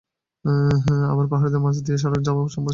আবার পাহাড়ের মাঝ দিয়ে যাওয়া সড়ক সম্প্রসারণের জন্যও পাহাড় কাটা হচ্ছে।